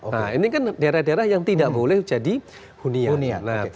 nah ini kan daerah daerah yang tidak boleh jadi huni hunian